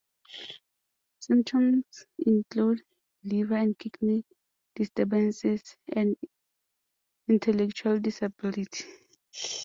Symptoms include liver and kidney disturbances and intellectual disability.